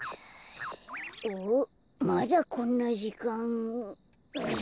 おっまだこんなじかん。